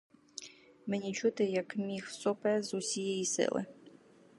Мені чути, як міх сопе з усієї сили.